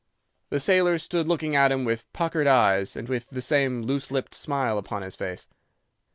"The sailor stood looking at him with puckered eyes, and with the same loose lipped smile upon his face.